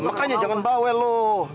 makanya jangan bawa lo